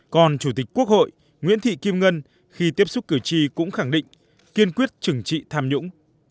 còn chủ tịch quốc hội nguyễn thị kim ngân khi tiếp xúc cử tri cũng khẳng định kiên quyết trừng trị tham nhũng